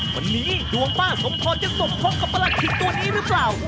วันนี้ดวงป้าสมพรจะสมทบกับประหลัดขิกตัวนี้หรือเปล่า